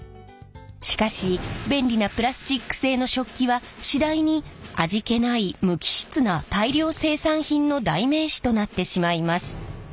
しかし便利なプラスチック製の食器は次第に味気ない無機質な大量生産品の代名詞となってしまいます。